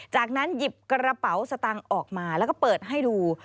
จากนั้นหยิบกระเป๋าสตางค์ออกมาแล้วก็เปิดให้ดู